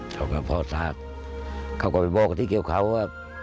เพราะว่าพ่อสาธารณ์เขาก็บอกกับที่เกี่ยวข่าวว่า